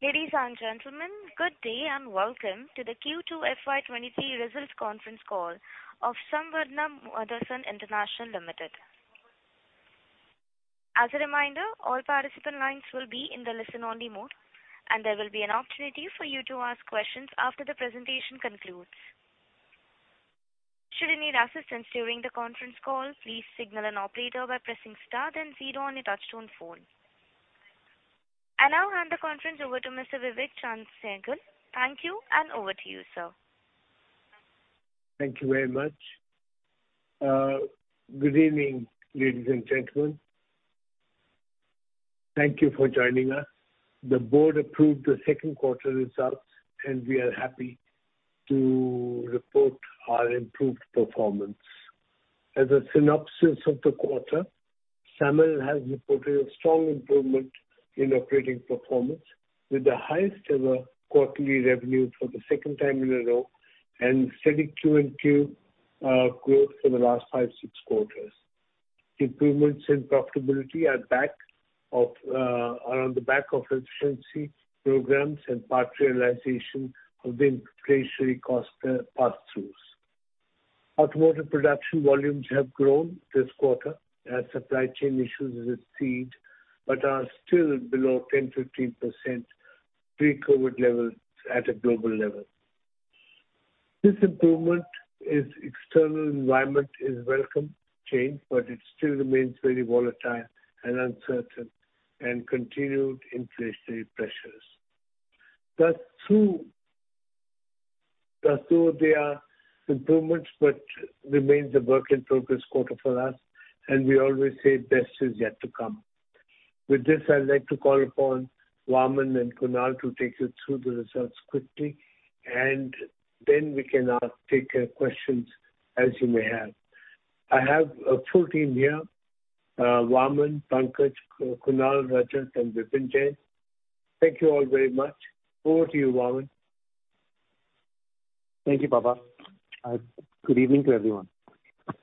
Ladies and gentlemen, good day and welcome to the Q2 FY 2023 results conference call of Samvardhana Motherson International Limited. As a reminder, all participant lines will be in the listen-only mode, and there will be an opportunity for you to ask questions after the presentation concludes. Should you need assistance during the conference call, please signal an operator by pressing star then zero on your touchtone phone. I now hand the conference over to Mr. Vivek Chaand Sehgal. Thank you and over to you, sir. Thank you very much. Good evening, ladies and gentlemen. Thank you for joining us. The board approved the second quarter results, and we are happy to report our improved performance. As a synopsis of the quarter, SAMIL has reported a strong improvement in operating performance with the highest ever quarterly revenue for the second time in a row and steady Q&Q growth for the last five, six quarters. Improvements in profitability are on the back of efficiency programs and part realization of the inflationary cost pass-throughs. Automotive production volumes have grown this quarter as supply chain issues recede but are still below 10%-15% pre-COVID levels at a global level. This improvement in external environment is a welcome change, but it still remains very volatile and uncertain and continued inflationary pressures. Thus, though there are improvements but remains a work in progress quarter for us, and we always say best is yet to come. With this, I'd like to call upon Vaaman and Kunal to take you through the results quickly and then we can take your questions as you may have. I have a full team here, Vaaman, Pankaj, Kunal, Rajat, and Vipin Jain. Thank you all very much. Over to you, Vaaman. Thank you, Papa. Good evening to everyone.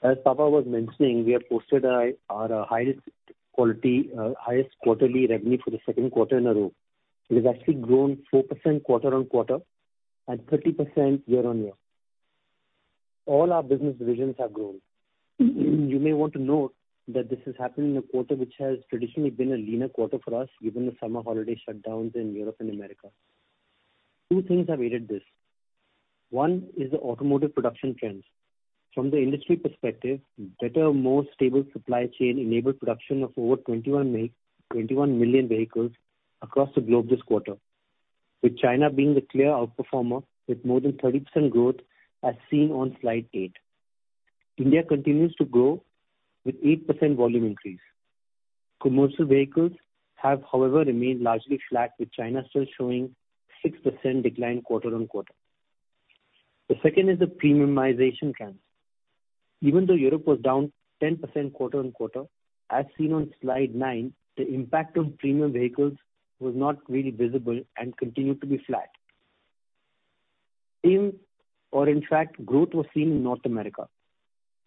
As Papa was mentioning, we have posted our highest quarterly revenue for the second quarter in a row. It has actually grown 4% quarter-on-quarter and 30% year-on-year. All our business divisions have grown. You may want to note that this is happening in a quarter which has traditionally been a leaner quarter for us, given the summer holiday shutdowns in Europe and America. Two things have aided this. One is the automotive production trends. From the industry perspective, better, more stable supply chain enabled production of over 21 million vehicles across the globe this quarter, with China being the clear outperformer with more than 30% growth as seen on slide eight. India continues to grow with 8% volume increase. Commercial vehicles have, however, remained largely flat, with China still showing 6% decline quarter-on-quarter. The second is the premiumization trends. Even though Europe was down 10% quarter-on-quarter, as seen on slide nine, the impact on premium vehicles was not really visible and continued to be flat. In fact, growth was seen in North America.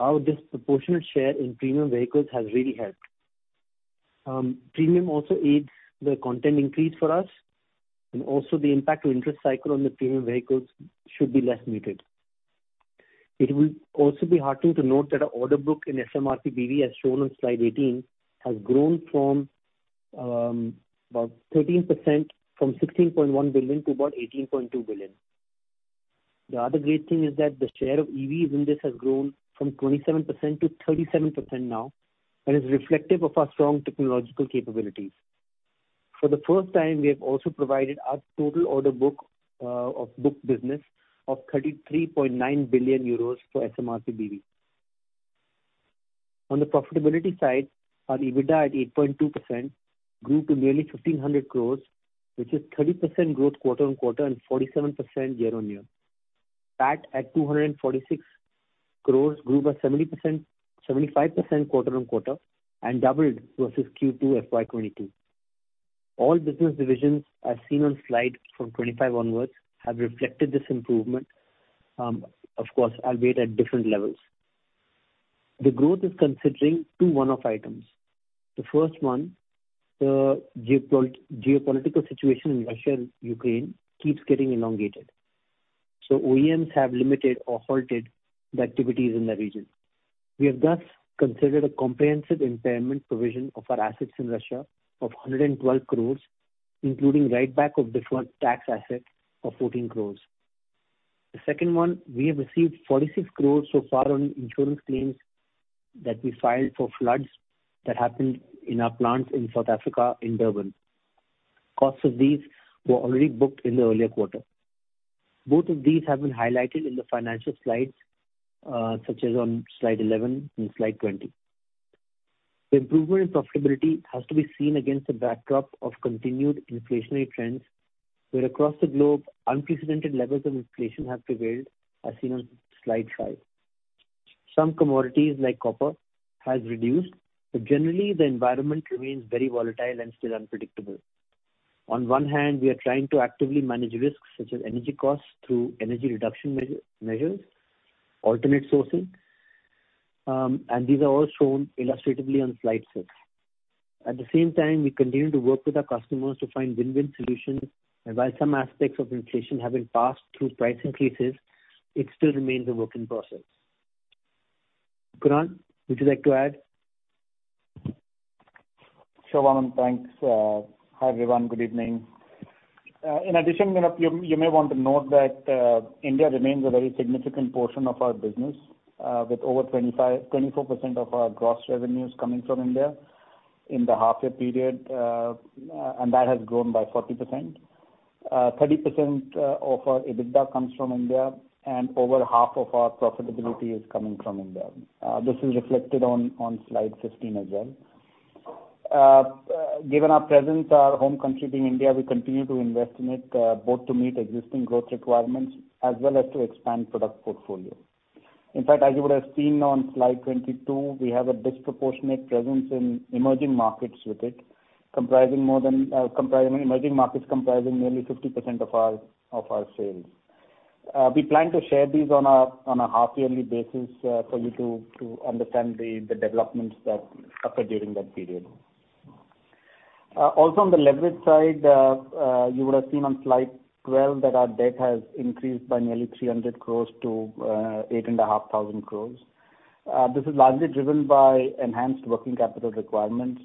Our disproportionate share in premium vehicles has really helped. Premium also aids the content increase for us, and also the impact of interest rate cycle on the premium vehicles should be less muted. It will also be heartening to note that our order book in SMRPBV, as shown on slide 18, has grown about 13% from 16.1 billion to about 18.2 billion. The other great thing is that the share of EVs in this has grown from 27% to 37% now and is reflective of our strong technological capabilities. For the first time, we have also provided our total order of booked business of 33.9 billion euros for SMRPBV. On the profitability side, our EBITDA at 8.2% grew to nearly 1,500 crores, which is 30% growth quarter-on-quarter and 47% year-on-year. PAT at 246 crores grew by 70%, 75% quarter-on-quarter and doubled versus Q2 FY 2022. All business divisions as seen on slide 25 onwards have reflected this improvement, of course, albeit at different levels. The growth is considering two one-off items. The first one, the geopolitical situation in Russia and Ukraine keeps getting elongated, so OEMs have limited or halted the activities in the region. We have thus considered a comprehensive impairment provision of our assets in Russia of 112 crores, including write back of deferred tax asset of 14 crores. The second one, we have received 46 crores so far on insurance claims that we filed for floods that happened in our plants in South Africa in Durban. Costs of these were already booked in the earlier quarter. Both of these have been highlighted in the financial slides, such as on slide 11 and slide 20. The improvement in profitability has to be seen against the backdrop of continued inflationary trends, where across the globe unprecedented levels of inflation have prevailed as seen on slide five. Some commodities, like copper, has reduced, but generally the environment remains very volatile and still unpredictable. On one hand, we are trying to actively manage risks such as energy costs through energy reduction measures, alternate sourcing These are all shown illustratively on slide six. At the same time, we continue to work with our customers to find win-win solutions. While some aspects of inflation have been passed through price increases, it still remains a work in process. Kunal, would you like to add? Sure, Vaaman. Thanks. Hi, everyone. Good evening. In addition, you know, you may want to note that India remains a very significant portion of our business, with over 24% of our gross revenues coming from India in the half year period, and that has grown by 40%. 30% of our EBITDA comes from India, and over half of our profitability is coming from India. This is reflected on slide 15 as well. Given our presence, our home country being India, we continue to invest in it, both to meet existing growth requirements as well as to expand product portfolio. In fact, as you would have seen on slide 22, we have a disproportionate presence in emerging markets with it, emerging markets comprising nearly 50% of our sales. We plan to share these on a half yearly basis, for you to understand the developments that occur during that period. Also on the leverage side, you would have seen on slide 12 that our debt has increased by nearly 300 crore to 8,500 crore. This is largely driven by enhanced working capital requirements.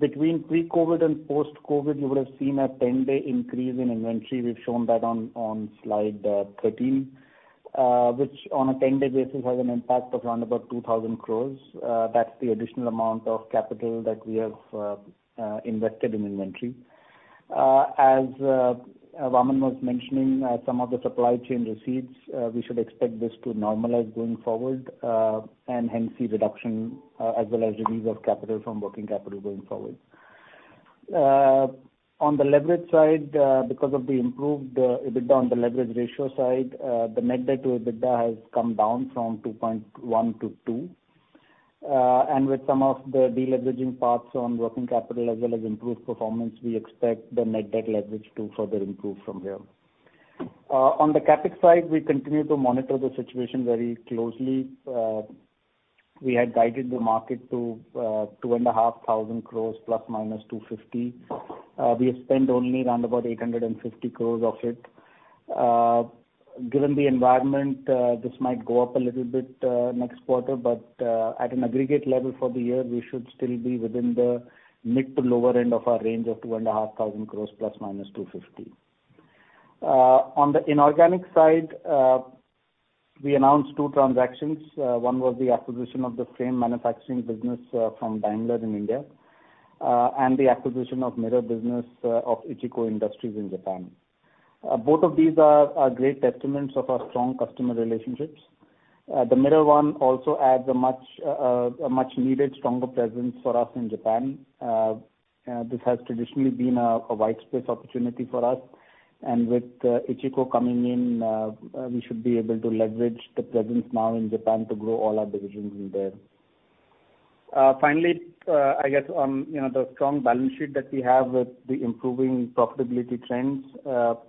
Between pre-COVID and post-COVID, you would have seen a 10-day increase in inventory. We've shown that on slide 13, which on a 10-day basis has an impact of around about 2,000 crore. That's the additional amount of capital that we have invested in inventory. As Vaaman was mentioning, some of the supply chain issues recede, we should expect this to normalize going forward, and hence see reduction, as well as release of capital from working capital going forward. On the leverage side, because of the improved EBITDA on the leverage ratio side, the net debt to EBITDA has come down from 2.1x to 2x. With some of the deleveraging paths on working capital as well as improved performance, we expect the net debt leverage to further improve from here. On the CapEx side, we continue to monitor the situation very closely. We had guided the market to 2,500 crores ±250 crores. We have spent only around about 850 crore of it. Given the environment, this might go up a little bit next quarter, but at an aggregate level for the year, we should still be within the mid to lower end of our range of 2,500 crore ±250. On the inorganic side, we announced two transactions. One was the acquisition of the frame manufacturing business from Daimler in India, and the acquisition of the mirror business of Ichikoh Industries in Japan. Both of these are great testaments of our strong customer relationships. The mirror one also adds a much needed stronger presence for us in Japan. This has traditionally been a white space opportunity for us. With Ichikoh coming in, we should be able to leverage the presence now in Japan to grow all our divisions in there. Finally, I guess on, you know, the strong balance sheet that we have with the improving profitability trends,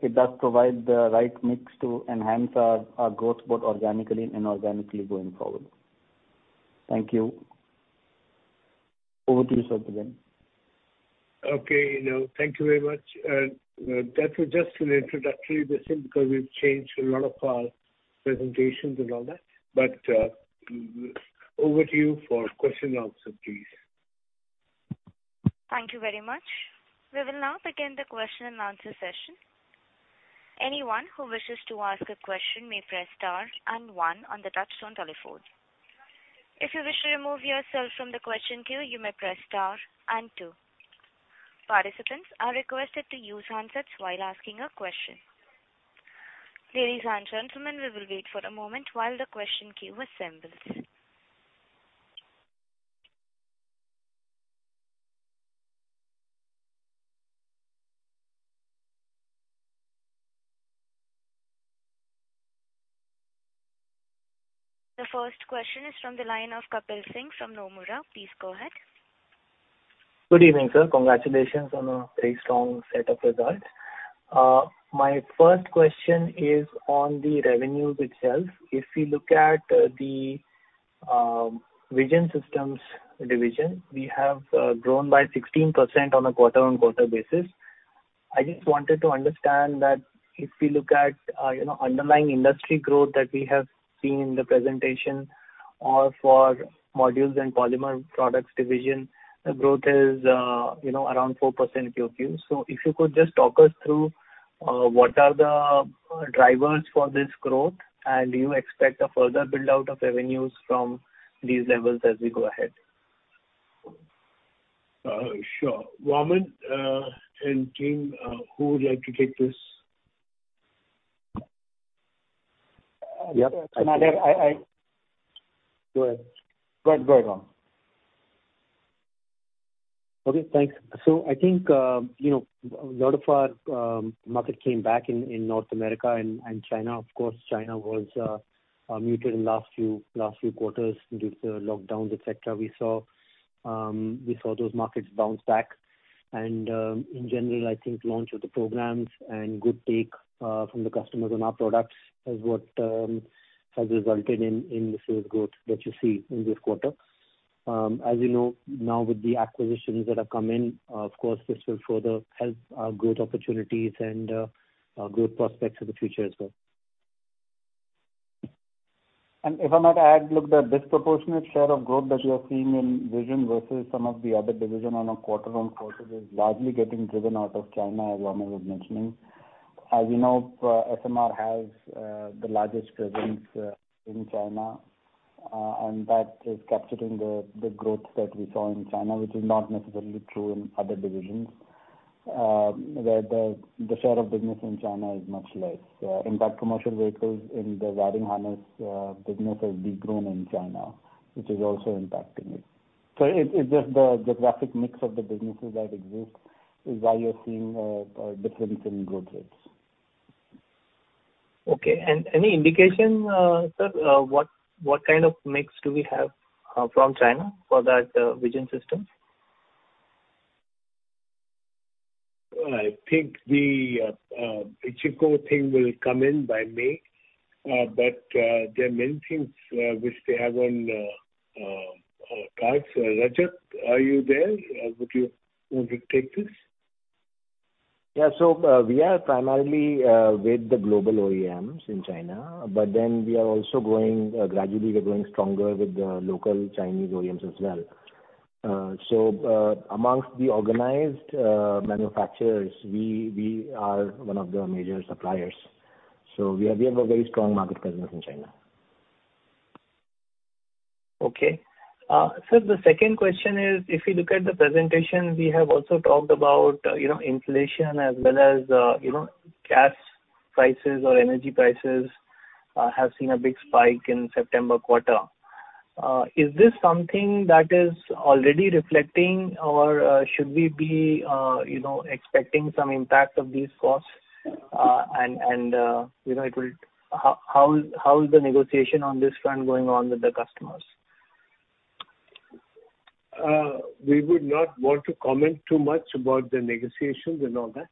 it does provide the right mix to enhance our growth, both organically and inorganically going forward. Thank you. Over to you, Sir Vivek. Okay, you know, thank you very much. That was just an introduction because we've changed a lot of our presentations and all that. Over to you for question and answer, please. Thank you very much. We will now begin the question and answer session. Anyone who wishes to ask a question may press star and one on the touchtone telephone. If you wish to remove yourself from the question queue, you may press star and two. Participants are requested to use handsets while asking a question. Ladies and gentlemen, we will wait for a moment while the question queue assembles. The first question is from the line of Kapil Singh from Nomura. Please go ahead. Good evening, sir. Congratulations on a very strong set of results. My first question is on the revenues itself. If we look at the Vision Systems Division, we have grown by 16% on a quarter-on-quarter basis. I just wanted to understand that if we look at you know underlying industry growth that we have seen in the presentation or for Modules and Polymer Products Division, the growth is you know around 4% QoQ. So if you could just talk us through what are the drivers for this growth, and do you expect a further build out of revenues from these levels as we go ahead? Sure. Vaaman, and team, who would like to take this? Yeah. I Go ahead, Vaaman. Okay, thanks. I think, you know, a lot of our market came back in North America and China. Of course, China was muted in last few quarters due to lockdowns, et cetera. We saw those markets bounce back. In general, I think launch of the programs and good take from the customers on our products is what has resulted in the sales growth that you see in this quarter. As you know, now with the acquisitions that have come in, of course this will further help our growth opportunities and our growth prospects for the future as well. If I might add, look, the disproportionate share of growth that you are seeing in Vision versus some of the other division on a quarter-on-quarter is largely getting driven out of China, as Vaaman was mentioning. As we know, SMR has the largest presence in China, and that is capturing the growth that we saw in China, which is not necessarily true in other divisions. Where the share of business in China is much less. In fact, commercial vehicles in the wiring harness business has de-grown in China, which is also impacting it. It's just the geographic mix of the businesses that exist is why you're seeing difference in growth rates. Okay. Any indication, sir, what kind of mix do we have from China for that Vision Systems? I think the Ichikoh thing will come in by May, but there are many things which they have on cards. Rajat, are you there? Would you want to take this? Yeah. We are primarily with the global OEMs in China, but we are also growing gradually. We're growing stronger with the local Chinese OEMs as well. Among the organized manufacturers, we are one of the major suppliers. We have a very strong market presence in China. Okay. Sir, the second question is, if you look at the presentation, we have also talked about, you know, inflation as well as, you know, gas prices or energy prices have seen a big spike in September quarter. Is this something that is already reflecting or should we be, you know, expecting some impact of these costs? And, you know, how is the negotiation on this front going on with the customers? We would not want to comment too much about the negotiations and all that.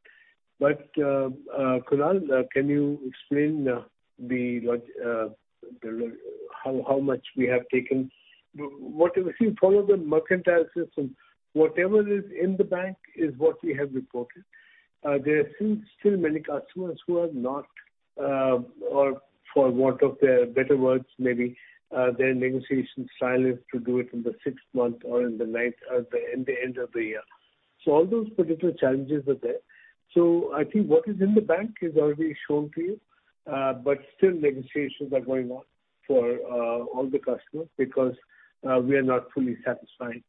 Kunal, can you explain how much we have taken? What if you follow the mercantile system, whatever is in the bank is what we have reported. There are still many customers who are not, or for want of their better words maybe, their negotiation style is to do it in the sixth month or in the ninth, in the end of the year. All those particular challenges are there. I think what is in the bank is already shown to you. Still negotiations are going on for all the customers because we are not fully satisfied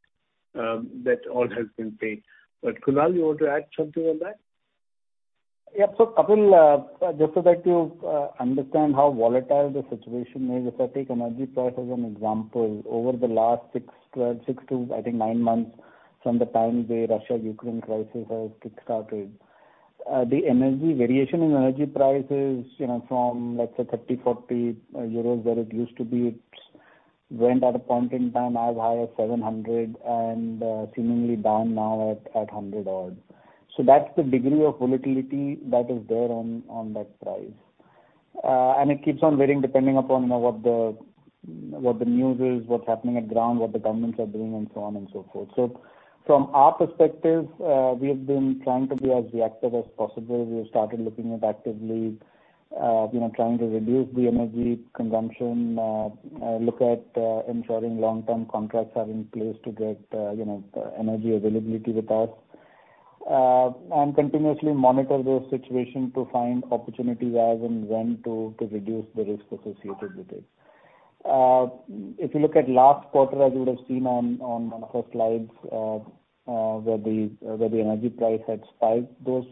that all has been paid. Kunal, you want to add something on that? Yeah. Kapil, just so that you understand how volatile the situation is. If I take energy price as an example, over the last 6-9 months from the time the Russia-Ukraine crisis has kickstarted, the energy variation in energy prices, you know, from let's say 30-40 euros where it used to be, it's went at a point in time as high as 700 and seemingly down now at hundreds. That's the degree of volatility that is there on that price. It keeps on varying depending upon, you know, what the news is, what's happening on the ground, what the governments are doing and so on and so forth. From our perspective, we have been trying to be as reactive as possible. We have started looking at actively, you know, trying to reduce the energy consumption, ensuring long-term contracts are in place to get, you know, energy availability with us. Continuously monitor those situation to find opportunities as and when to reduce the risk associated with it. If you look at last quarter, as you would have seen on one of our slides, where the energy price had spiked, those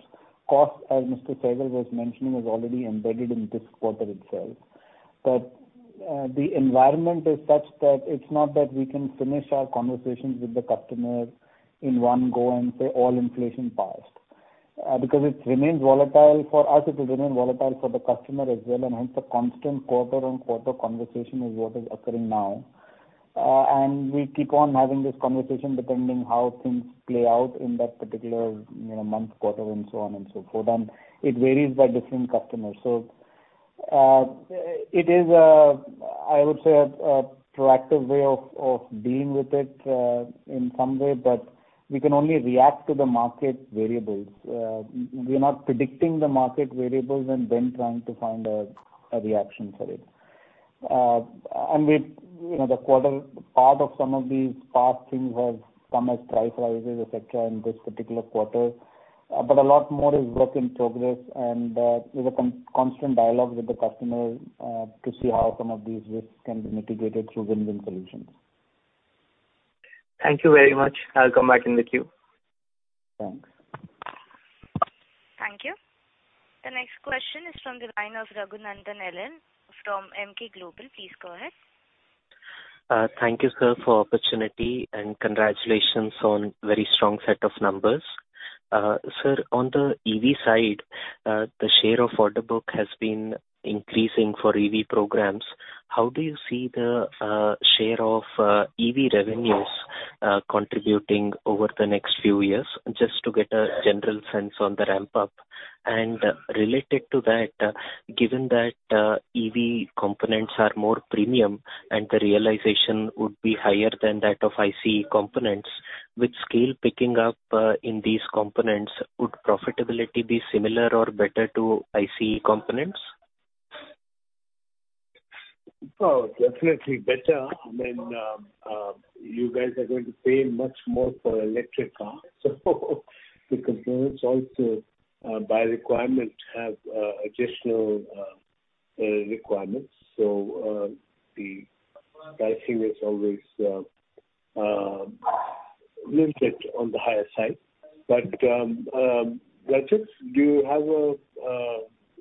costs, as Mr. Vivek was mentioning, was already embedded in this quarter itself. The environment is such that it's not that we can finish our conversations with the customer in one go and say all inflation passed. Because it remains volatile for us, it will remain volatile for the customer as well, and hence the constant quarter-on-quarter conversation is what is occurring now. We keep on having this conversation depending how things play out in that particular, you know, month, quarter and so on and so forth. It varies by different customers. It is, I would say, a proactive way of dealing with it in some way, but we can only react to the market variables. We're not predicting the market variables and then trying to find a reaction for it. We, you know, the quarter part of some of these past things have come as price rises et cetera in this particular quarter. A lot more is work in progress and, with a constant dialogue with the customer, to see how some of these risks can be mitigated through win-win solutions. Thank you very much. I'll come back in the queue. Thanks. Thank you. The next question is from the line of Raghunandhan N L from Emkay Global. Please go ahead. Thank you, sir, for opportunity and congratulations on very strong set of numbers. Sir, on the EV side, the share of order book has been increasing for EV programs. How do you see the share of EV revenues contributing over the next few years? Just to get a general sense on the ramp up. Related to that, given that EV components are more premium and the realization would be higher than that of ICE components, with scale picking up in these components, would profitability be similar or better to ICE components? Oh, definitely better. I mean, you guys are going to pay much more for electric cars so the components also by requirement have additional requirements. The pricing is always little bit on the higher side. Rajat, do you have a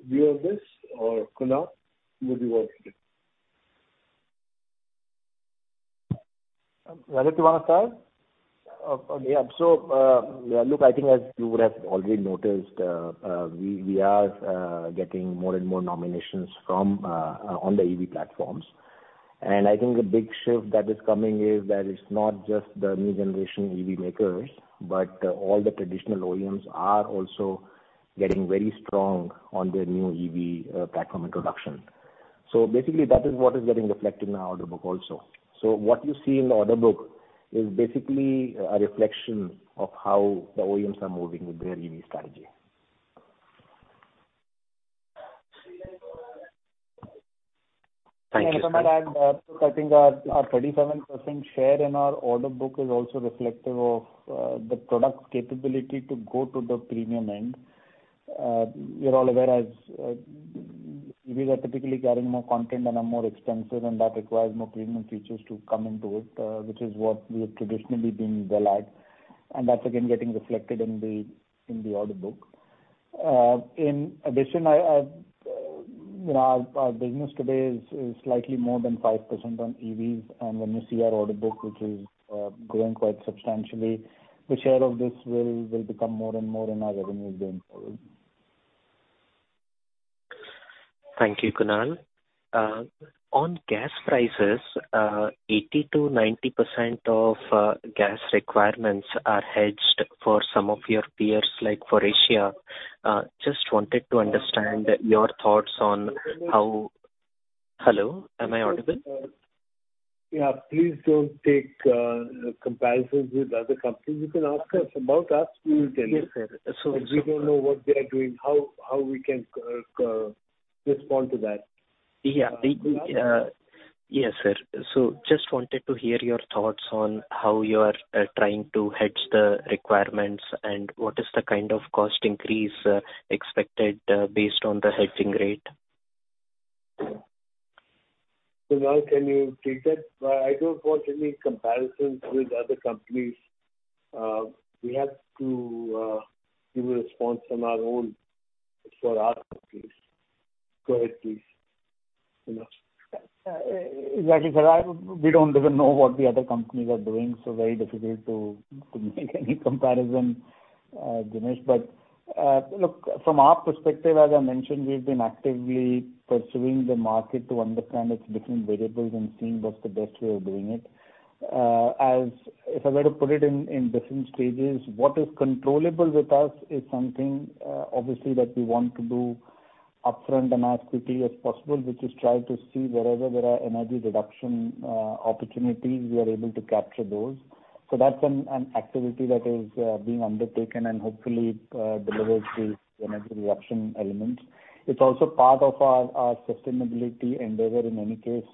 view of this? Or Kunal? Who would be working it? Rajat, you wanna start? Okay. Look, I think as you would have already noticed, we are getting more and more nominations from on the EV platforms. I think the big shift that is coming is that it's not just the new generation EV makers, but all the traditional OEMs are also getting very strong on their new EV platform introduction. Basically, that is what is getting reflected in our order book also. What you see in the order book is basically a reflection of how the OEMs are moving with their EV strategy. Thank you, sir. I think our 37% share in our order book is also reflective of the product's capability to go to the premium end. You're all aware as EVs are typically carrying more content and are more expensive, and that requires more premium features to come into it, which is what we have traditionally been well at. That's again getting reflected in the order book. In addition, you know, our business today is slightly more than 5% on EVs. When you see our order book, which is growing quite substantially, the share of this will become more and more in our revenues going forward. Thank you, Kunal. On gas prices, 80%-90% of gas requirements are hedged for some of your peers, like FORVIA. Just wanted to understand your thoughts on how. Hello, am I audible? Yeah. Please don't take comparisons with other companies. You can ask us about us, we will tell you. Yes, sir. We don't know what they are doing, how we can respond to that. Yeah. Yes, sir. Just wanted to hear your thoughts on how you are trying to hedge the requirements and what is the kind of cost increase expected based on the hedging rate. Kunal, can you take that? I don't want any comparisons with other companies. We have to give a response on our own for our companies. Go ahead, please. Kunal. Exactly, sir. We don't even know what the other companies are doing, so very difficult to make any comparison, Vivek. Look, from our perspective, as I mentioned, we've been actively pursuing the market to understand its different variables and seeing what's the best way of doing it. As if I were to put it in different stages, what is controllable with us is something obviously that we want to do upfront and as quickly as possible, which is try to see wherever there are energy reduction opportunities, we are able to capture those. That's an activity that is being undertaken and hopefully delivers the energy reduction elements. It's also part of our sustainability endeavor in any case.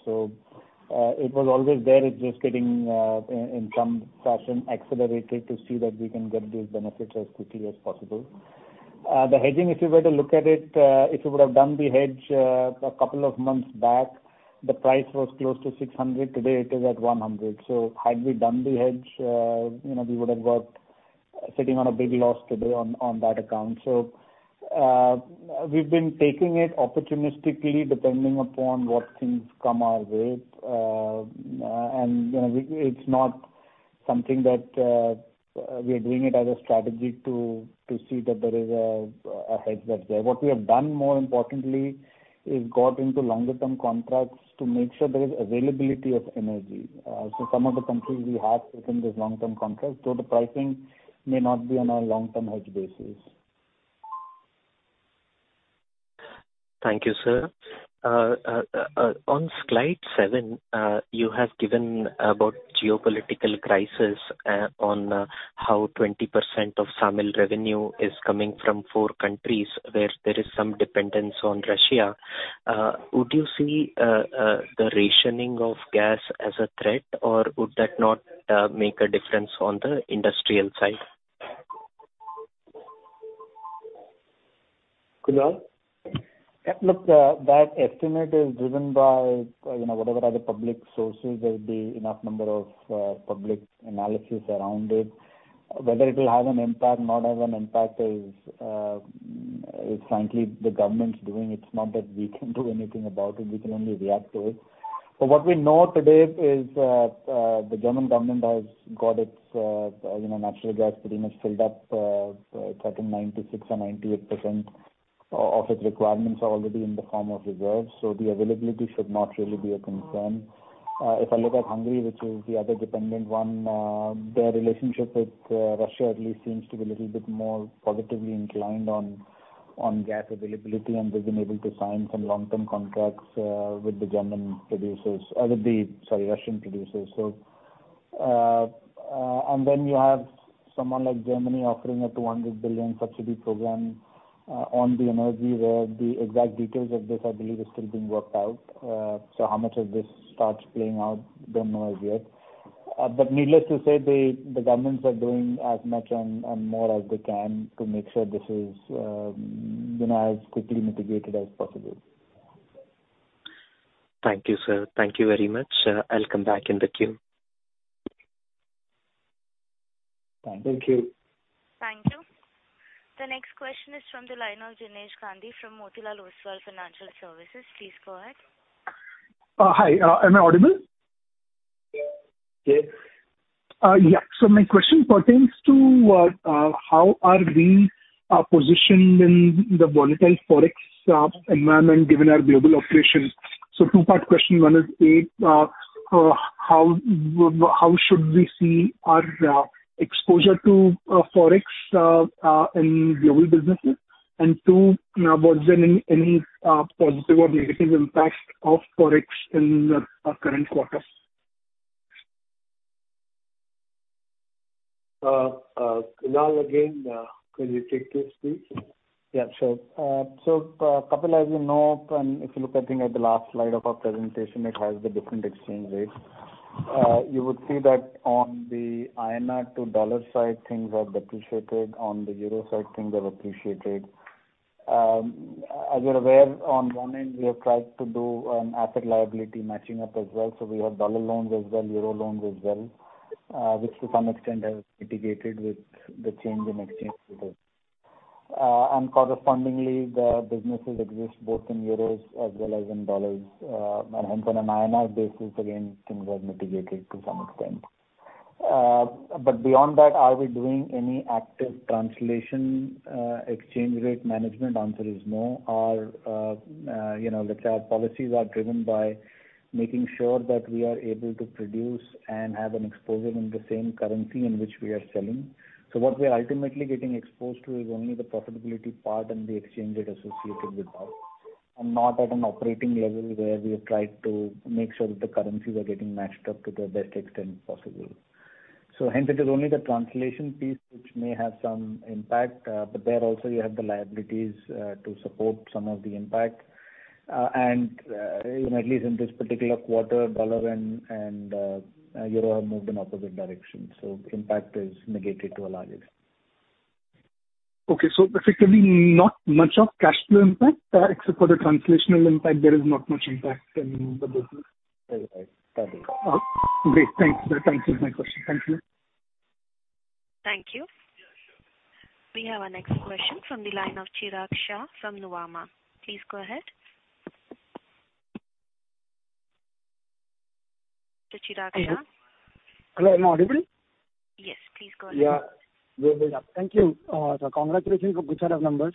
It was always there. It's just getting in some fashion accelerated to see that we can get those benefits as quickly as possible. The hedging, if you were to look at it, if we would have done the hedge a couple of months back, the price was close to 600, today it is at 100. Had we done the hedge, you know, we would have been sitting on a big loss today on that account. We've been taking it opportunistically, depending upon what things come our way. You know, it's not something that we are doing it as a strategy to see that there is a hedge that's there. What we have done, more importantly, is got into longer term contracts to make sure there is availability of energy. Some of the countries we have taken this long-term contract, so the pricing may not be on a long-term hedge basis. Thank you, sir. On slide seven, you have given about geopolitical crisis on how 20% of SAMIL revenue is coming from four countries where there is some dependence on Russia. Would you see the rationing of gas as a threat, or would that not make a difference on the industrial side? Kunal? Yeah. Look, that estimate is driven by, you know, whatever are the public sources. There'll be enough number of public analysis around it. Whether it will have an impact, not have an impact is, frankly the government's doing. It's not that we can do anything about it, we can only react to it. What we know today is, the German government has got its, you know, natural gas pretty much filled up. It's at 96% or 98% of its requirements are already in the form of reserves. The availability should not really be a concern. If I look at Hungary, which is the other dependent one, their relationship with Russia at least seems to be a little bit more positively inclined on gas availability, and they've been able to sign some long-term contracts with the German producers or with the, sorry, Russian producers. You have someone like Germany offering up to 100 billion subsidy program on the energy, where the exact details of this, I believe, are still being worked out. How much of this starts playing out, don't know as yet. Needless to say, the governments are doing as much and more as they can to make sure this is, you know, as quickly mitigated as possible. Thank you, sir. Thank you very much. I'll come back in the queue. Thank you. Thank you. The next question is from the line of Jinesh Gandhi from Motilal Oswal Financial Services. Please go ahead. Hi. Am I audible? Yes. Yeah. My question pertains to how are we positioned in the volatile Forex environment given our global operations? Two-part question. One is, a, how should we see our exposure to Forex in global businesses? Two, you know, was there any positive or negative impacts of Forex in our current quarter? Kunal, again, could you take this please? Yeah, sure. Kapil, as you know, and if you look I think at the last slide of our presentation, it has the different exchange rates. You would see that on the INR to Dollar side, things have depreciated. On the Euro side, things have appreciated. As you're aware, on one end we have tried to do an asset liability matching up as well. We have Dollar loans as well, Euro loans as well, which to some extent has mitigated with the change in exchange rates. Correspondingly, the businesses exist both in Euros as well as in Dollars. Hence on an INR basis, again, things are mitigated to some extent. Beyond that, are we doing any active translation, exchange rate management? Answer is no. You know, let's say our policies are driven by making sure that we are able to produce and have an exposure in the same currency in which we are selling. What we are ultimately getting exposed to is only the profitability part and the exchange rate associated with that, and not at an operating level where we have tried to make sure that the currencies are getting matched up to the best extent possible. Hence it is only the translation piece which may have some impact. But there also you have the liabilities to support some of the impact. You know, at least in this particular quarter, U.S. Dollar and Euro have moved in opposite directions, so impact is negated to a large extent. Okay. Basically not much of cash flow impact. Except for the translational impact, there is not much impact in the business. That is right. Great. Thanks. That answers my question. Thank you. Thank you. We have our next question from the line of Chirag Shah from Nuvama. Please go ahead. So Chirag Shah. Hello, am I audible? Yes, please go ahead. Yeah. Thank you. So congratulations on good set of numbers.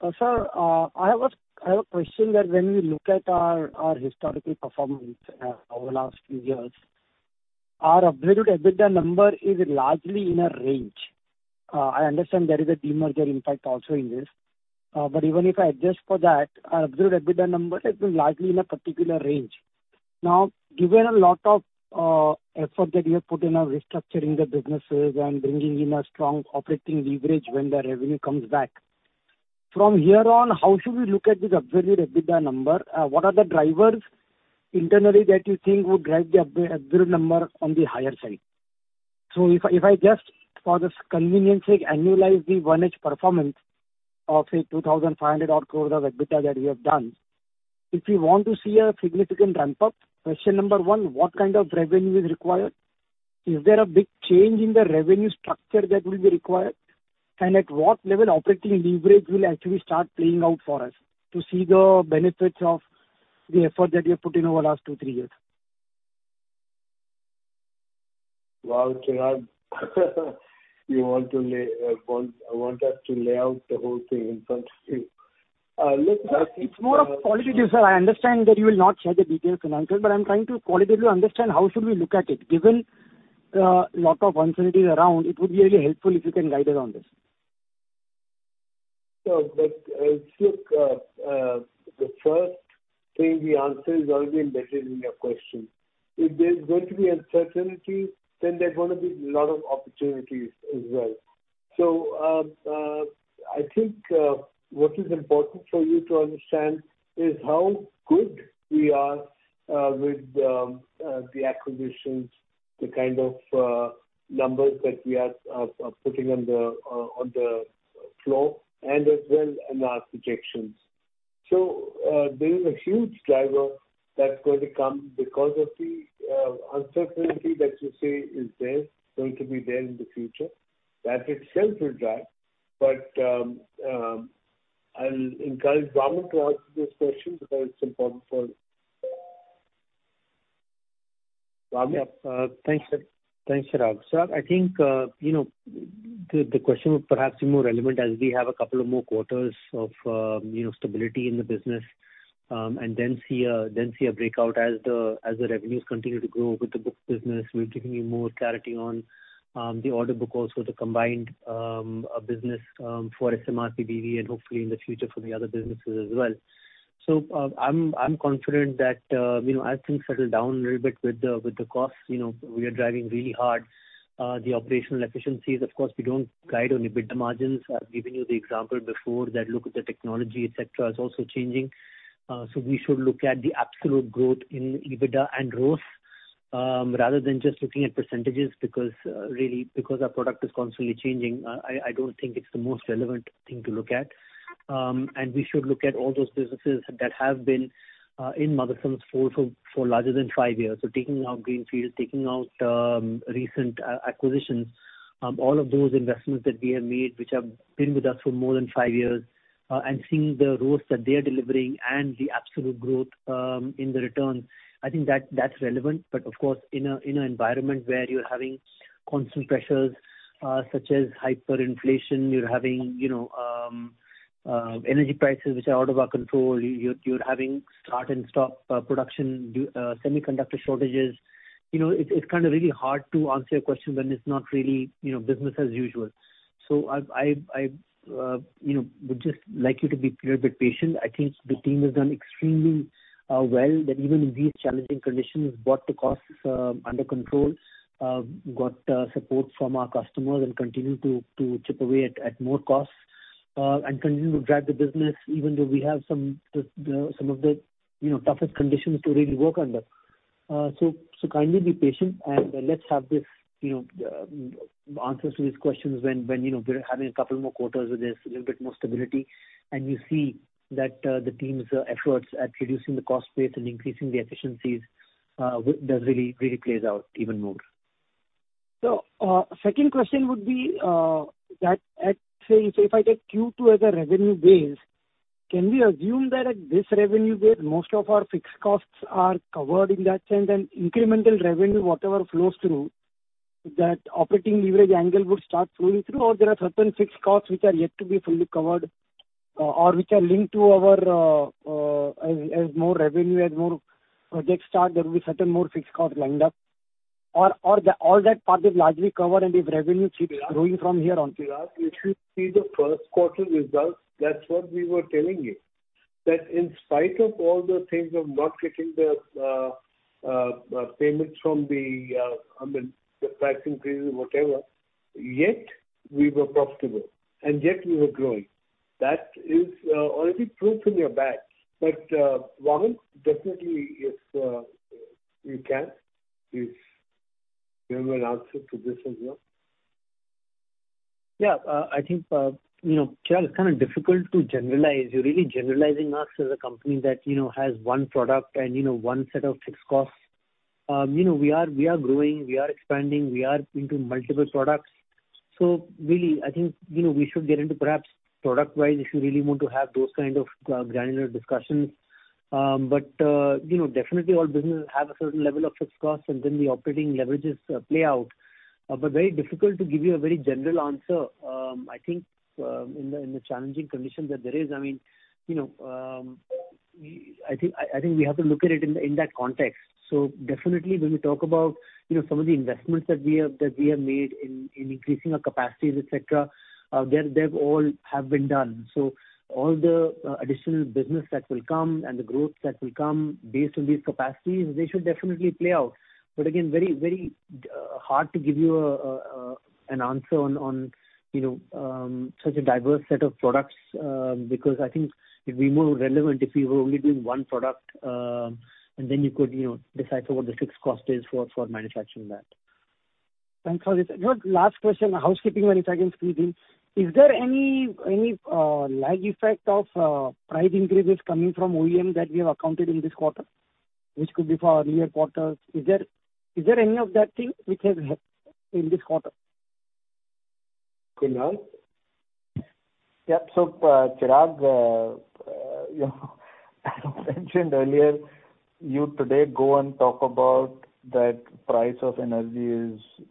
Sir, I have a question that when we look at our historical performance over the last few years, our absolute EBITDA number is largely in a range. I understand there is a demerger impact also in this. But even if I adjust for that, our absolute EBITDA number has been largely in a particular range. Now, given a lot of effort that you have put into restructuring the businesses and bringing in a strong operating leverage when the revenue comes back, from here on, how should we look at this absolute EBITDA number? What are the drivers internally that you think would drive the EBITDA number on the higher side? If I just for the convenience sake annualize the Q1 performance of say 2,500 odd crores of EBITDA that we have done, if you want to see a significant ramp up, question number one, what kind of revenue is required? Is there a big change in the revenue structure that will be required? At what level operating leverage will actually start playing out for us to see the benefits of the effort that you have put in over the last two, three years? Wow, Chirag, you want to lay out the whole thing in front of you. Let me- It's more of qualitative, sir. I understand that you will not share the details financially, but I'm trying to qualitatively understand how should we look at it. Given, lot of uncertainty around, it would be really helpful if you can guide us on this. Look, the first thing we answer is already embedded in your question. If there's going to be uncertainty, then there's gonna be a lot of opportunities as well. I think what is important for you to understand is how good we are with the acquisitions, the kind of numbers that we are putting on the floor and as well in our projections. There is a huge driver that's going to come because of the uncertainty that you say is there, going to be there in the future. That itself will drive. I'll encourage Vaaman to answer this question because it's important, Vaaman? Yeah. Thanks, sir. Thanks, Chirag. I think, you know, the question will perhaps be more relevant as we have a couple of more quarters of, you know, stability in the business, and then see a breakout as the revenues continue to grow with the book business. We've given you more clarity on the order book also, the combined business for SMR, SMP, and hopefully in the future for the other businesses as well. I'm confident that, you know, as things settle down a little bit with the costs, you know, we are driving really hard the operational efficiencies. Of course, we don't guide on EBITDA margins. I've given you the example before that look at the technology, et cetera, is also changing. We should look at the absolute growth in EBITDA and growth, rather than just looking at percentages, because really, because our product is constantly changing. I don't think it's the most relevant thing to look at. We should look at all those businesses that have been in Motherson for longer than five years. Taking out greenfields, taking out recent acquisitions, all of those investments that we have made which have been with us for more than five years, and seeing the growth that they are delivering and the absolute growth in the returns, I think that's relevant. Of course, in an environment where you're having constant pressures, such as hyperinflation, you're having, you know, energy prices which are out of our control. You're having start and stop production due to semiconductor shortages. You know, it's kinda really hard to answer your question when it's not really, you know, business as usual. I would just like you to be a little bit patient. I think the team has done extremely well that even in these challenging conditions, brought the costs under control, got support from our customers and continue to chip away at more costs and continue to drive the business even though we have some of the, you know, toughest conditions to really work under. Kindly be patient, and let's have these, you know, answers to these questions when you know we're having a couple more quarters where there's a little bit more stability and you see that the team's efforts at reducing the cost base and increasing the efficiencies really plays out even more. Second question would be that at, say if I take Q2 as a revenue base, can we assume that at this revenue base, most of our fixed costs are covered in that sense, and incremental revenue, whatever flows through, that operating leverage angle would start flowing through? Or there are certain fixed costs which are yet to be fully covered, or which are linked to our, as more revenue, as more projects start, there will be certain more fixed costs lined up. Or the all that part is largely covered, and if revenue should growing from here on. Chirag, if you see the first quarter results, that's what we were telling you. That in spite of all the things of not getting the payments from the, I mean, the price increases or whatever, yet we were profitable and yet we were growing. That is already proof in your bag. Vaaman, definitely if you can, if you have an answer to this as well. Yeah. I think you know Chirag, it's kinda difficult to generalize. You're really generalizing us as a company that, you know, has one product and, you know, one set of fixed costs. You know, we are growing, we are expanding, we are into multiple products. So really, I think you know, we should get into perhaps product wise if you really want to have those kind of granular discussions. You know, definitely all businesses have a certain level of fixed costs and then the operating leverages play out. Very difficult to give you a very general answer. I think in the challenging conditions that there is. I mean, you know, I think we have to look at it in that context. Definitely when we talk about, you know, some of the investments that we have made in increasing our capacities, et cetera, they've all been done. All the additional business that will come and the growth that will come based on these capacities, they should definitely play out. Again, very hard to give you an answer on, you know, such a diverse set of products, because I think it'd be more relevant if you were only doing one product, and then you could, you know, decipher what the fixed cost is for manufacturing that. Thanks for this. Last question, housekeeping one if I can squeeze in. Is there any lag effect of price increases coming from OEM that we have accounted in this quarter, which could be for earlier quarters? Is there any of that thing which has helped in this quarter? Kunal? Yeah. Chirag, you know, as mentioned earlier, you today go and talk about that price of energy is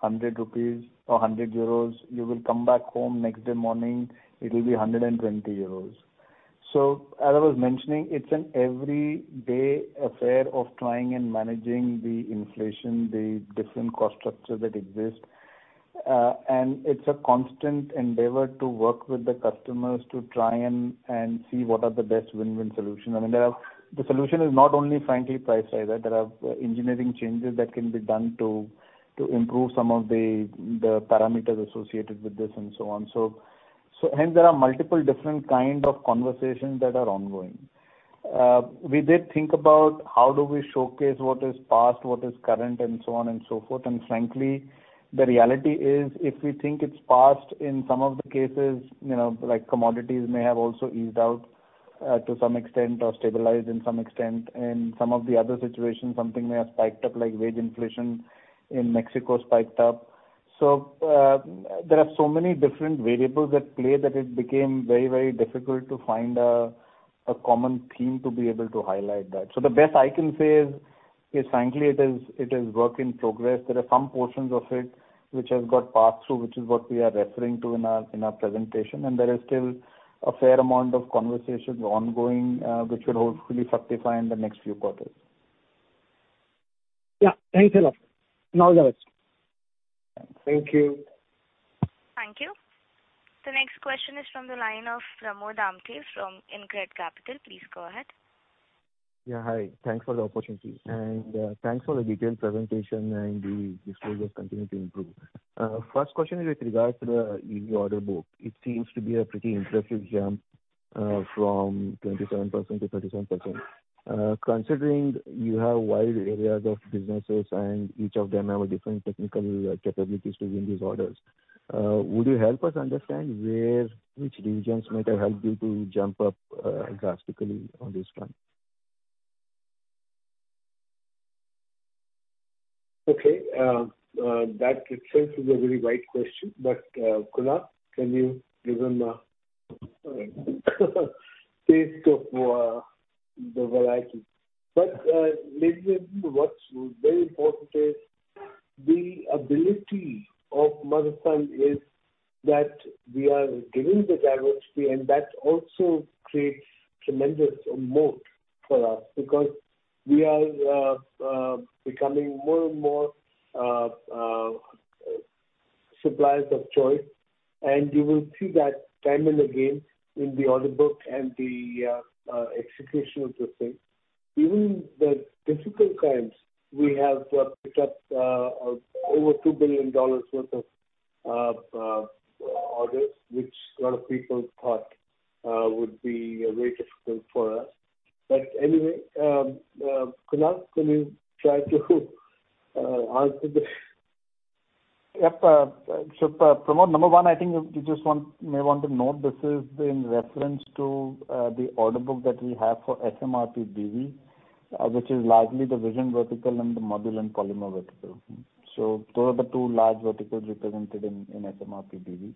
100 rupees or 100 euros. You will come back home next day morning, it'll be 120 euros. As I was mentioning, it's an everyday affair of trying and managing the inflation, the different cost structure that exists. It's a constant endeavor to work with the customers to try and see what are the best win-win solutions. I mean, there are, the solution is not only frankly price rise. There are engineering changes that can be done to improve some of the parameters associated with this and so on. Hence there are multiple different kind of conversations that are ongoing. We did think about how do we showcase what is past, what is current, and so on and so forth. Frankly, the reality is if we think it's past in some of the cases, you know, like commodities may have also eased out to some extent or stabilized in some extent. In some of the other situations, something may have spiked up, like wage inflation in Mexico spiked up. There are so many different variables at play that it became very, very difficult to find a common theme to be able to highlight that. The best I can say is frankly it is work in progress. There are some portions of it which have got passed through, which is what we are referring to in our presentation, and there is still a fair amount of conversations ongoing, which will hopefully solidify in the next few quarters. Yeah. Thanks a lot, and all the best. Thank you. Thank you. The next question is from the line of Pramod Amthe from InCred Capital. Please go ahead. Yeah, hi. Thanks for the opportunity and, thanks for the detailed presentation, and the disclosures continue to improve. First question is with regard to the EV order book. It seems to be a pretty impressive jump, from 27%-37%. Considering you have wide areas of businesses and each of them have a different technical capabilities to win these orders, would you help us understand where, which regions might have helped you to jump up, drastically on this front? Okay. That itself is a very wide question, but Kunal, can you give him a taste of the variety? Maybe what's very important is the ability of Motherson is that we are giving the diversity, and that also creates tremendous moat for us because we are becoming more and more suppliers of choice. You will see that time and again in the order book and the execution of the same. Even the difficult times we have picked up over $2 billion worth of orders, which a lot of people thought would be very difficult for us. Anyway, Kunal, can you try to answer this? Yep. Pramod, number one, I think you may want to note this is in reference to the order book that we have for SMRPBV, which is largely the vision vertical and the module and polymer vertical. Those are the two large verticals represented in SMRPBV.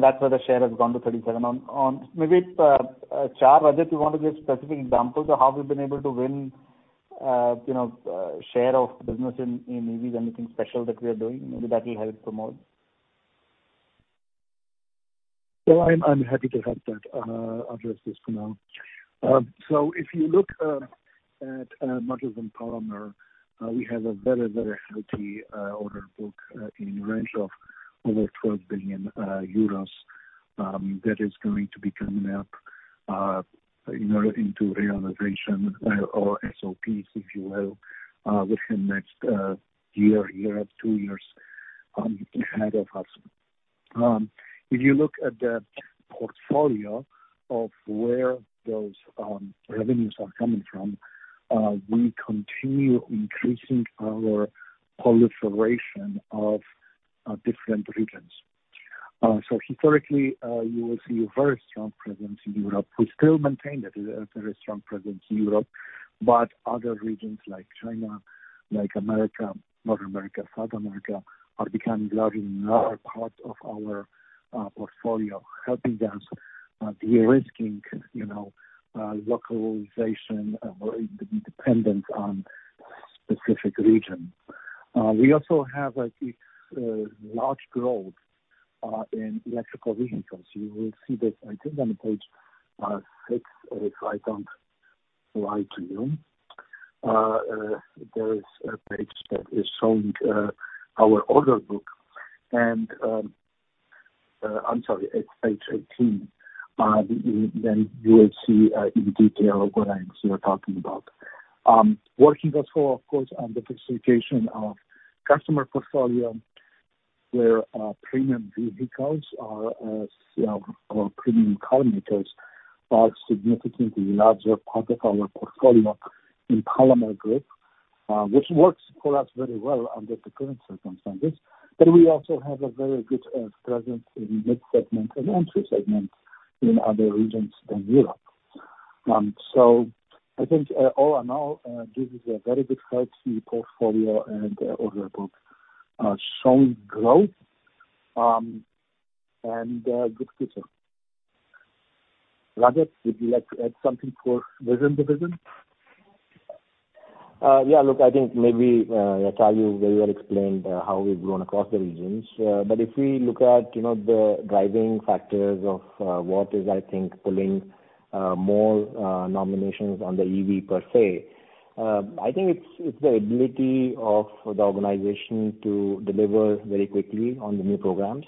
That's where the share has gone to 37%. Maybe, Rajat, you want to give specific examples of how we've been able to win, you know, share of business in EVs, anything special that we are doing maybe that will help Pramod. I'm happy to help address this for now. If you look at Modules and Polymer, we have a very healthy order book in range of over 12 billion euros that is going to be coming up, you know, into realization or SOPs, if you will, within next year or two years ahead of us. If you look at the portfolio of where those revenues are coming from, we continue increasing our proliferation of different regions. Historically, you will see a very strong presence in Europe. We still maintain that, a very strong presence in Europe, but other regions like China, like America, North America, South America, are becoming a larger part of our portfolio, helping us de-risking, you know, localization or dependence on specific region. We also have, I think, large growth in electric vehicles. You will see that I think on page six, if I don't lie to you. There is a page that is showing our order book and, I'm sorry, it's page 18, then you will see in detail what I'm still talking about. Working as well, of course, on the diversification of customer portfolio where premium vehicles are or premium car makers are significantly larger part of our portfolio in polymer group, which works for us very well under the current circumstances. We also have a very good presence in mid-segment and entry segment in other regions than Europe. I think, all in all, this is a very good, healthy portfolio and order book, showing growth, and good future. Rajat, would you like to add something for vision division? Yeah. Look, I think maybe, Rajat you very well explained how we've grown across the regions. If we look at, you know, the driving factors of what is, I think, pulling more nominations on the EV per se, I think it's the ability of the organization to deliver very quickly on the new programs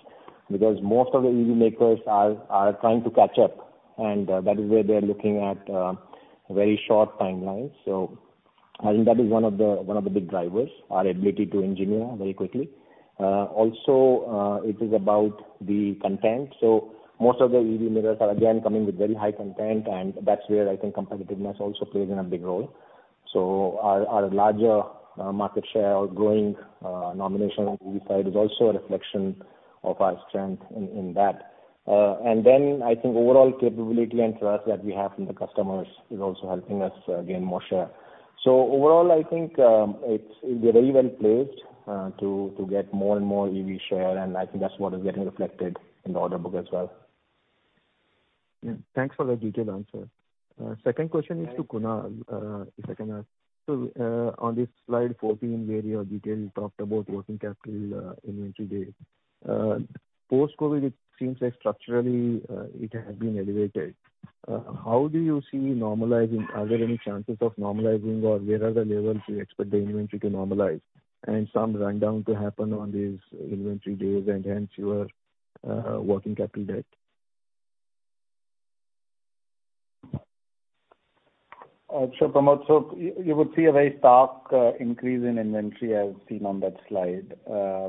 because most of the EV makers are trying to catch up and that is where they're looking at very short timelines. I think that is one of the big drivers, our ability to engineer very quickly. Also, it is about the content. Most of the EV makers are again coming with very high content, and that's where I think competitiveness also plays in a big role. Our larger market share or growing nomination on EV side is also a reflection of our strength in that. I think overall capability and trust that we have from the customers is also helping us gain more share. Overall, I think we're very well placed to get more and more EV share, and I think that's what is getting reflected in the order book as well. Yeah. Thanks for the detailed answer. Second question is to Kunal, if I can ask. On this slide 14, where you have talked in detail about working capital, inventory days, post-COVID, it seems like structurally, it has been elevated. How do you see normalizing? Are there any chances of normalizing, or where are the levels you expect the inventory to normalize and some rundown to happen on these inventory days and hence your working capital debt? Sure, Pramod. You would see a very stark increase in inventory as seen on that slide,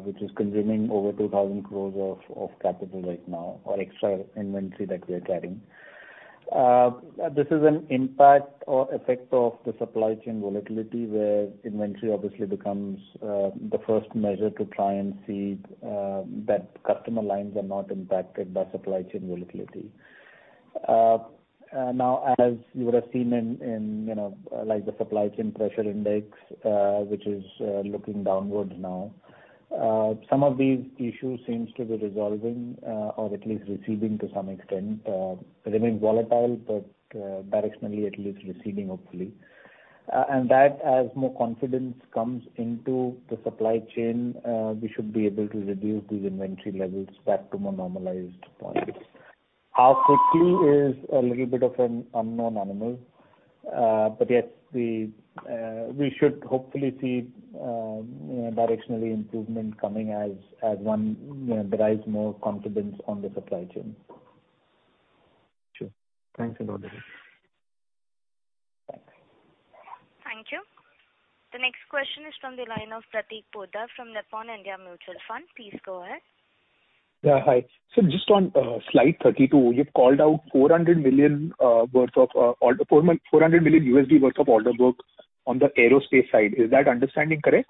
which is consuming over 2,000 crores of capital right now, or extra inventory that we are carrying. This is an impact or effect of the supply chain volatility, where inventory obviously becomes the first measure to try and see that customer lines are not impacted by supply chain volatility. Now, as you would have seen in, you know, like the supply chain pressure index, which is looking downwards now, some of these issues seems to be resolving or at least receding to some extent. Remain volatile, but directionally at least receding, hopefully. that as more confidence comes into the supply chain, we should be able to reduce these inventory levels back to more normalized points. How quickly is a little bit of an unknown animal? Yes, we should hopefully see directionally improvement coming as one, you know, derives more confidence on the supply chain. Sure. Thanks and all the best. Thanks. Thank you. The next question is from the line of Prateek Poddar from Nippon India Mutual Fund. Please go ahead. Hi. Just on slide 32, you've called out $400 million worth of order book on the aerospace side. Is that understanding correct?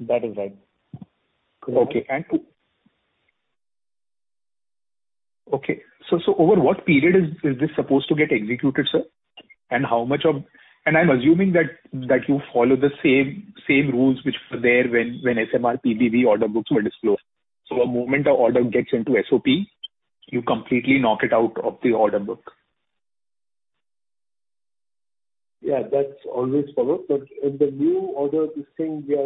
That is right. Over what period is this supposed to get executed, sir? I'm assuming that you follow the same rules which were there when SMRPBV order books were disclosed. The moment the order gets into SOP, you completely knock it out of the order book. Yeah, that's always followed. In the new order, this thing we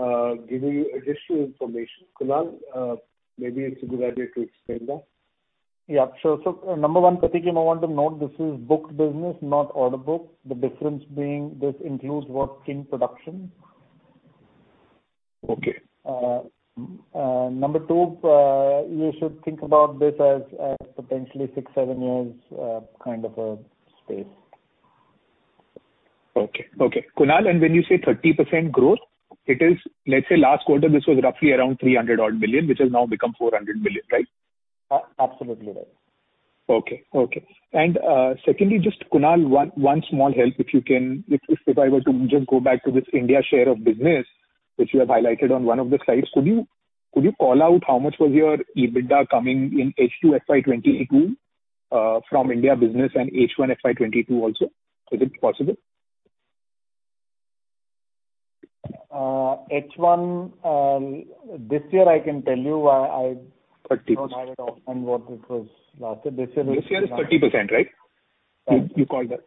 are giving you additional information. Kunal, maybe it's a good idea to explain that. Yeah, sure. Number one, Prateek, you may want to note this is booked business, not order book. The difference being this includes work in production. Okay. Number two, you should think about this as potentially 6-7 years, kind of a space. Okay. Kunal, when you say 30% growth, it is, let's say last quarter this was roughly around 300 odd million, which has now become 400 million, right? Absolutely right. Secondly, just Kunal, one small help, if you can, if I were to just go back to this India share of business, which you have highlighted on one of the slides, could you call out how much was your EBITDA coming in H2 FY 2022 from India business and H1 FY 2022 also? Is it possible? H1 this year, I can tell you, I 30%. Don't have it offhand what it was last year. This year it was This year it's 30%, right? Right. You called that.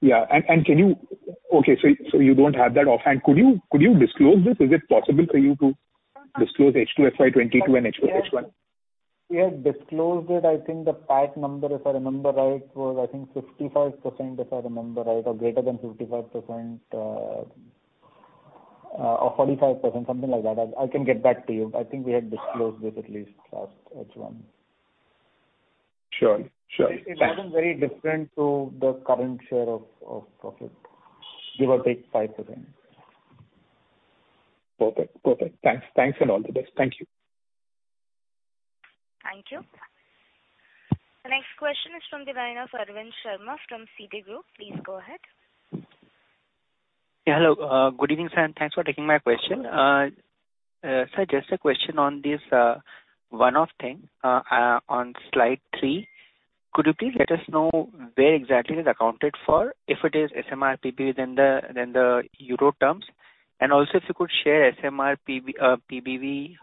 Yeah. Okay, so you don't have that offhand. Could you disclose this? Is it possible for you to disclose H2 FY 2022 and H1? We have disclosed it. I think the PAT number, if I remember right, was I think 55%, if I remember right, or greater than 55%, or 45%, something like that. I can get back to you. I think we had disclosed this at least last H1. Sure. Thanks. It wasn't very different to the current share of profit, give or take 5%. Perfect. Thanks and all the best. Thank you. Thank you. The next question is from the line of Arvind Sharma from Citigroup. Please go ahead. Yeah, hello. Good evening, sir, and thanks for taking my question. Sir, just a question on this one-off thing on slide three. Could you please let us know where exactly it is accounted for, if it is SMRPBV within the Euro terms? And also if you could share SMRPBV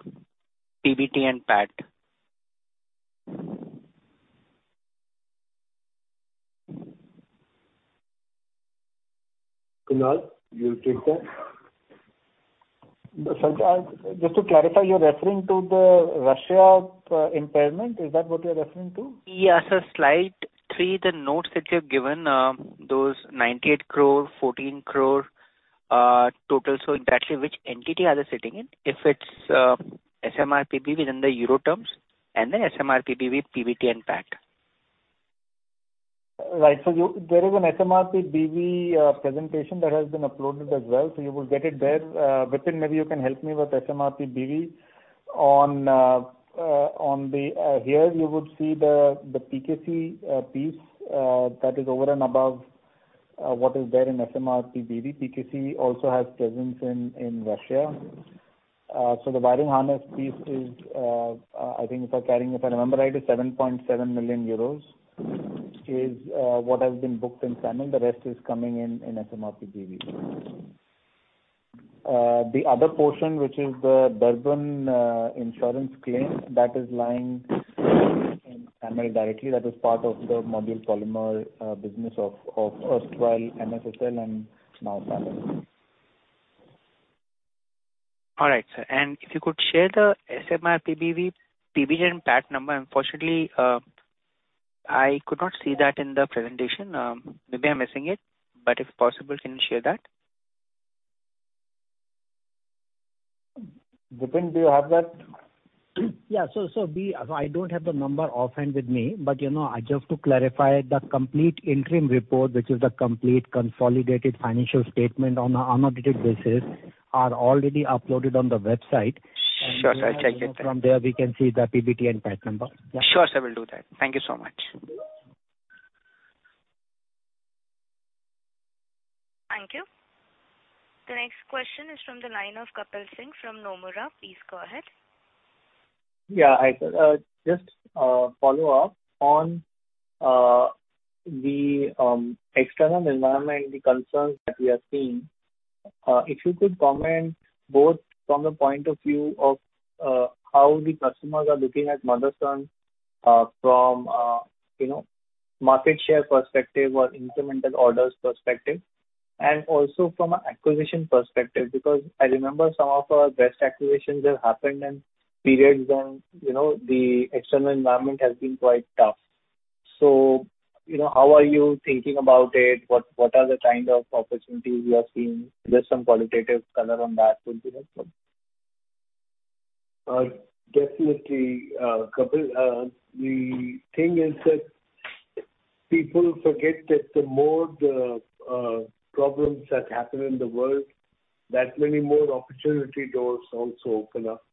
PBT and PAT. Kunal, you take that. Sir, just to clarify, you're referring to the Russia impairment? Is that what you're referring to? Yeah, slide three, the notes that you have given, those 98 crore, 14 crore total. Exactly which entity are they sitting in? If it's SMRPBV within the Euro terms, and then SMRPBV PBT and PAT. Right. There is an SMRPBV presentation that has been uploaded as well. You will get it there. Vipin, maybe you can help me with SMRPBV. Here you would see the PKC piece that is over and above. What is there in SMRPBV? PKC also has presence in Russia. The wiring harness piece is, I think, if I remember right, 7.7 million euros what has been booked in SAMIL. The rest is coming in SMRPBV. The other portion which is the German insurance claim that is lying in SAMIL directly. That is part of the module polymer business of erstwhile MSSL and now SAMIL. All right, sir. If you could share the SMRPBV PBT and PAT number? Unfortunately, I could not see that in the presentation. Maybe I'm missing it, but if possible, can you share that? Vipin, do you have that? I don't have the number offhand with me. You know, just to clarify, the complete interim report, which is the complete consolidated financial statement on an unaudited basis, are already uploaded on the website. Sure, sir. I'll check it. From there we can see the PBT and PAT number. Yeah. Sure, sir, will do that. Thank you so much. Thank you. The next question is from the line of Kapil Singh from Nomura. Please go ahead. Yeah, hi sir. Just a follow-up on the external environment, the concerns that we are seeing. If you could comment both from the point of view of how the customers are looking at Motherson, from you know, market share perspective or incremental orders perspective, and also from an acquisition perspective. Because I remember some of our best acquisitions have happened in periods when, you know, the external environment has been quite tough. You know, how are you thinking about it? What are the kind of opportunities you are seeing? Just some qualitative color on that would be helpful. Definitely, Kapil. The thing is that people forget that the more the problems that happen in the world, that many more opportunity doors also open up.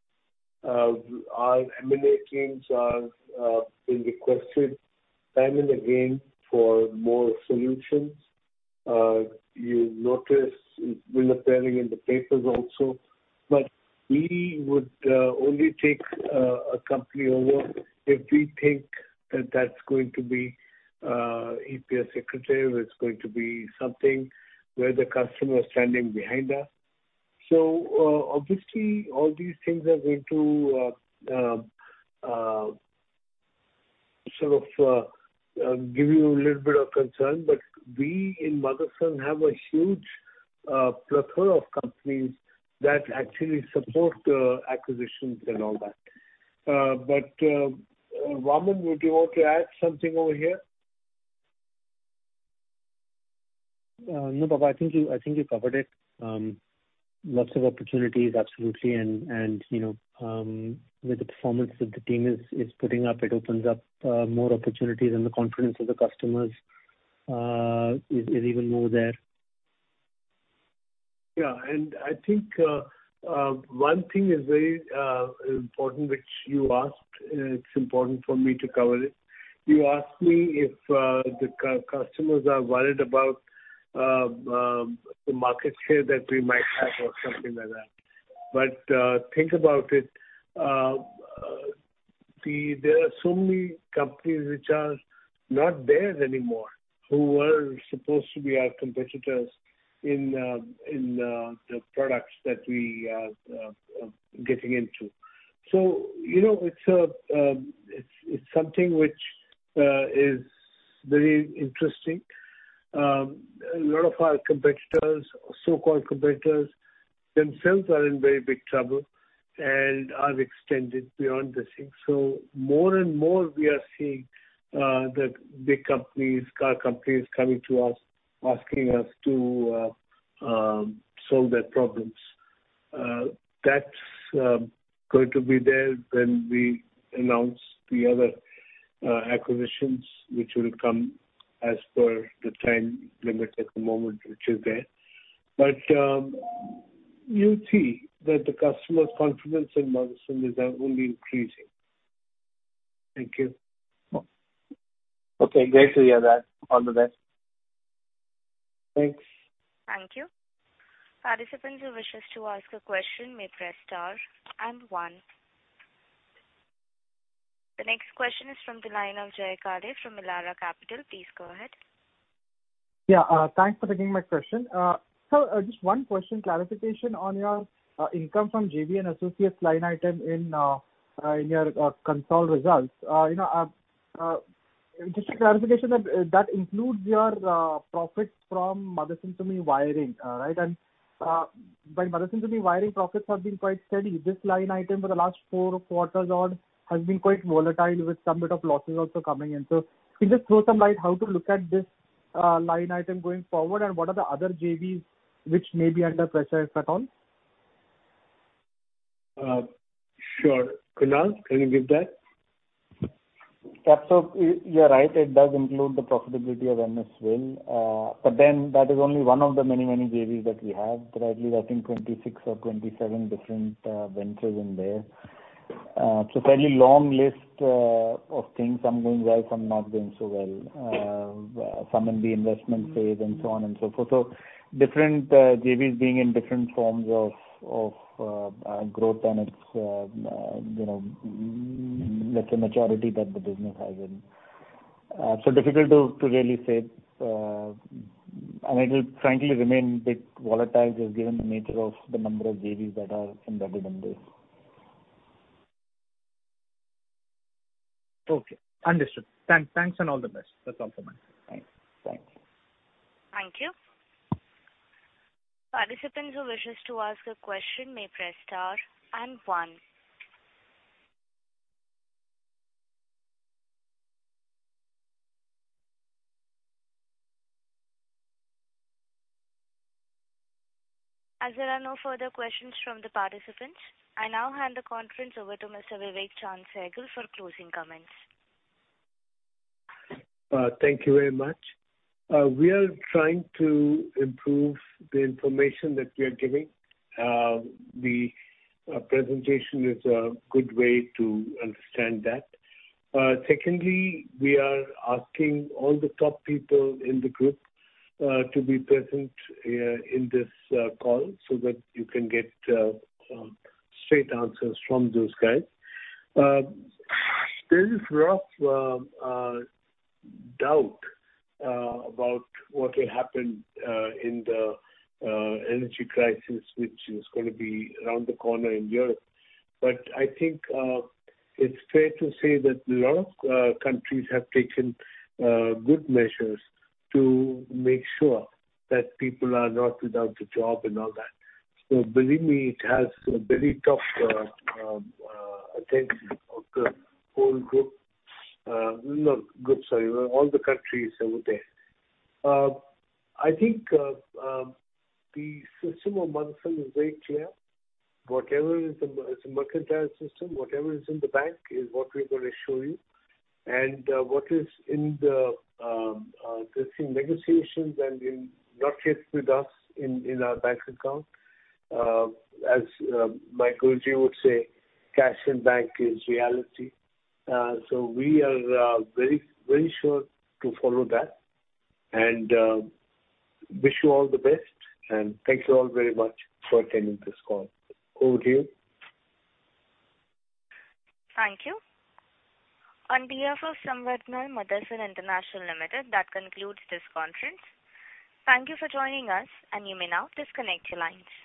Our M&A teams are being requested time and again for more solutions. You notice we're appearing in the papers also. We would only take a company over if we think that that's going to be EPS accretive, it's going to be something where the customer is standing behind us. Obviously, all these things are going to sort of give you a little bit of concern. We in Motherson have a huge plethora of companies that actually support acquisitions and all that. Vaaman, would you want to add something over here? No, Papa, I think you covered it. Lots of opportunities, absolutely. You know, with the performance that the team is putting up, it opens up more opportunities and the confidence of the customers is even more there. Yeah. I think one thing is very important, which you asked. It's important for me to cover it. You asked me if the customers are worried about the market share that we might have or something like that. Think about it. There are so many companies which are not there anymore who were supposed to be our competitors in the products that we are getting into. You know, it's something which is very interesting. A lot of our competitors, so-called competitors, themselves are in very big trouble and are extended beyond this thing. More and more we are seeing the big companies, car companies coming to us asking us to solve their problems. That's going to be there when we announce the other acquisitions which will come as per the time limit at the moment which is there. You'll see that the customers' confidence in Motherson is only increasing. Thank you. Okay, great to hear that. All the best. Thanks. Thank you. Participants who wish to ask a question may press star and one. The next question is from the line of Jay Kale from Elara Capital. Please go ahead. Yeah. Thanks for taking my question. Just one question, clarification on your income from JV and associates line item in your consolidated results. You know, just a clarification that that includes your profits from Motherson Sumi Wiring, right? But Motherson Sumi Wiring profits have been quite steady. This line item for the last four quarters or so has been quite volatile with some bit of losses also coming in. Can you just throw some light on how to look at this line item going forward and what are the other JVs which may be under pressure if at all? Sure. Kunal, can you give that? Yeah. You're right, it does include the profitability of MSWIL. That is only one of the many, many JVs that we have. There are, I believe, I think 26 or 27 different ventures in there. It's a fairly long list of things, some going well, some not going so well. Some in the investment phase and so on and so forth. Different JVs being in different forms of growth and its you know, let's say, maturity that the business has in. Difficult to really say. It will frankly remain a bit volatile just given the nature of the number of JVs that are in the dividend base. Okay. Understood. Thanks, thanks, and all the best. That's all from my side. Thanks. Thank you. Thank you. Participants who wishes to ask a question may press star and one. As there are no further questions from the participants, I now hand the conference over to Mr. Vivek Chaand Sehgal for closing comments. Thank you very much. We are trying to improve the information that we are giving. The presentation is a good way to understand that. Secondly, we are asking all the top people in the group to be present in this call so that you can get straight answers from those guys. There is lot of doubt about what will happen in the energy crisis, which is gonna be around the corner in Europe. I think it's fair to say that a lot of countries have taken good measures to make sure that people are not without a job and all that. Believe me, it has very tough attention of the whole group. Not group, sorry. All the countries out there. I think the system of Motherson is very clear. It's a mercantile system. Whatever is in the bank is what we're gonna show you. What is in the discussions, negotiations, and not yet with us in our bank account. As Michael G. would say, "Cash in bank is reality." We are very, very sure to follow that. I wish you all the best, and thank you all very much for attending this call. Over to you. Thank you. On behalf of Samvardhana Motherson International Limited, that concludes this conference. Thank you for joining us, and you may now disconnect your lines.